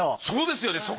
そうですよね。